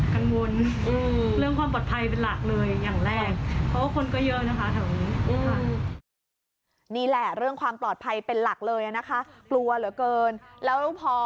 กังวลเรื่องความปลอดภัยเป็นหลักเลยอย่างแรก